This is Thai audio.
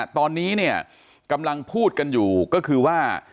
ตอนนี้เนี่ยกำลังพูดกันอยู่ก็คือว่า